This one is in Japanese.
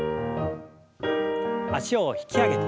脚を引き上げて。